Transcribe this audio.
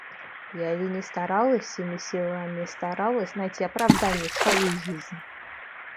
Я ли не старалась, всеми силами старалась, найти оправдание своей жизни?